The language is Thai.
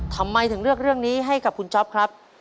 ทำไมถึงเลือกเรื่องนี้ให้กับคุณจ๊อปครับ